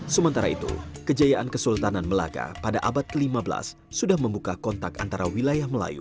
sementara itu kejayaan kesultanan melaka pada abad ke lima belas sudah membuka kontak antara wilayah melayu